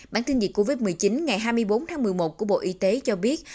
bản tin dịch covid một mươi chín ngày hai mươi bốn tháng một mươi một của bộ y tế cho biết